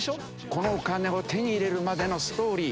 このお金を手に入れるまでのストーリー